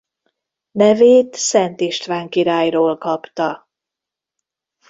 Nevét Szent István királyról kapta.